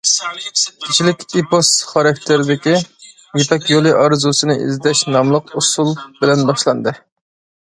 كېچىلىك ئېپوس خاراكتېرىدىكى« يىپەك يولى ئارزۇسىنى ئىزدەش» ناملىق ئۇسسۇل بىلەن باشلاندى.